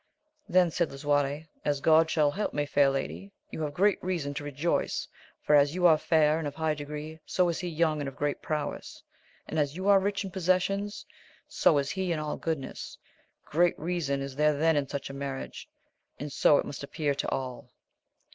Then said Lisuarte, as God sliall help me, fair lady, you have great reason to rejoice ; for, as you are fair and of high degree, so is he young and of great prowess ; and, as you are rich in possessions, so is he in all goodness : great reason is there then in such a marriage, and so it must appear to all.